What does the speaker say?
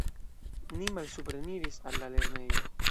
Ni malsupreniris al la lernejo.